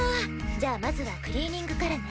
じゃあまずはクリーニングからね。